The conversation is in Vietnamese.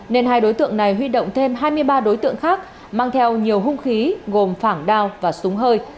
nên hai đối tượng này huy động thêm hai mươi ba đối tượng khác mang theo nhiều hung khí gồm phảng đao và súng hơi